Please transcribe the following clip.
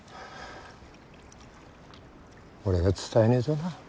俺が伝えねえとな。